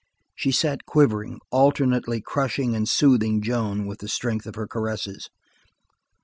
She sat quivering, alternately crushing and soothing Joan with the strength of her caresses.